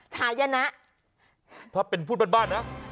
ถ้าเป็นพูดบ้านนะ